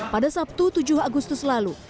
pada sabtu tujuh agustus lalu